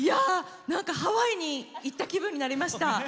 ハワイに行った気分になりました。